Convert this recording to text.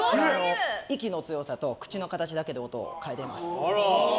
息の強さと口の形だけで音を変えています。